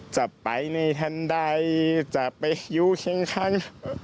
จะไปในทันใดจะไปอยู่ขึ้นข้าง